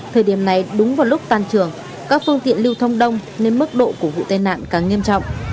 thời điểm này đúng vào lúc tan trường các phương tiện lưu thông đông nên mức độ của vụ tai nạn càng nghiêm trọng